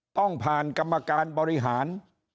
ต้องผ่านกรรมการบริหาร